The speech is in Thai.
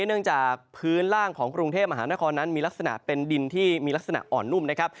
เนื่องจากพื้นล่างของกรุงเทพมหานครนั้นมีลักษณะเป็นดินที่มีลักษณะอ่อนนุ่มนะครับ